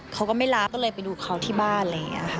เขาก็ไม่ร้านก็เลยไปดูเขาที่บ้านเลยค่ะ